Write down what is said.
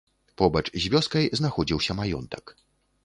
Побач з вёскай знаходзіўся маёнтак.